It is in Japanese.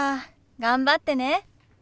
頑張ってね。